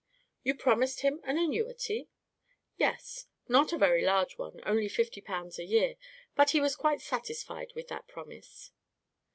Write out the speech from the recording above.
"You promised him an annuity?" "Yes—not a very large one—only fifty pounds a year; but he was quite satisfied with that promise."